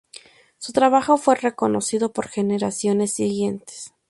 Su trabajo fue reconocido por generaciones siguientes.